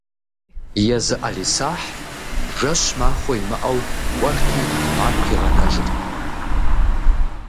Езы ӏэлисахь, жэщ-махуэ имыӏэу, кӏуэрти ар пигъэнэжырт.